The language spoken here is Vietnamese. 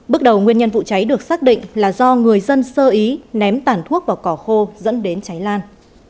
bước đầu nguyên nhân vụ cháy được xác định là do người dân sơ ý ném tàn thuốc vào cỏ khô dẫn đến cháy lan